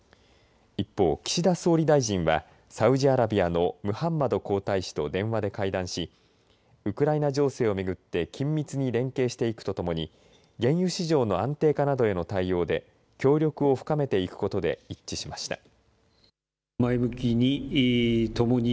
一方、岸田総理大臣はサウジアラビアのムハンマド皇太子と電話で会談しウクライナ情勢をめぐって緊密に連携していくとともに原油市場の安定化などへの対応で協力を深めていくことで一致しました。